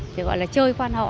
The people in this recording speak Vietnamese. thì gọi là chơi quan họ